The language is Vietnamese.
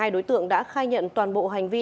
một mươi hai đối tượng đã khai nhận toàn bộ hành vi